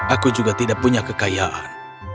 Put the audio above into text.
aku juga tidak punya kekayaan